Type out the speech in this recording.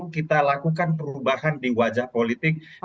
kita lakukan perubahan di wajah politik di kota depok